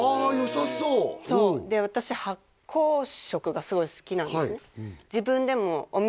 さそうそうで私発酵食がすごい好きなんですね